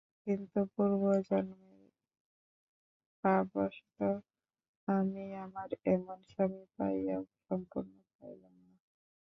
কিন্তু পূর্বজন্মের পাপবশত আমি আমার এমন স্বামী পাইয়াও সম্পূর্ণ পাইলাম না।